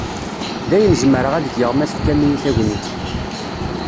D ayen zemreɣ ad geɣ ma tefkam-iyi tagnit.